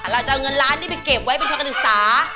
เราจะเอาเงินล้านนี่ไปเก็บไว้เป็นทุนการศึกษา